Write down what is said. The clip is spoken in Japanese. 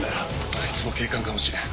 あいつも警官かもしれん。